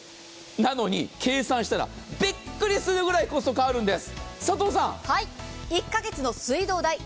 なのに、計算したらびっくりするぐらいコストが変わるんです。